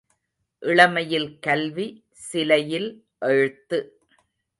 இளமையில் கல்வி சிலையில் எழுத்து.